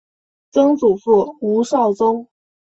曾祖父吴绍宗。